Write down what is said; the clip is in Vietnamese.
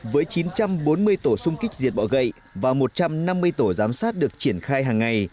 với chín trăm bốn mươi tổ sung kích diệt bọ gậy và một trăm năm mươi tổ giám sát được triển khai hàng ngày